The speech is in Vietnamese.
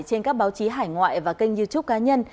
trên các báo chí hải ngoại và kênh youtube cá nhân